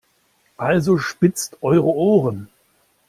Also spitzt eure Ohren!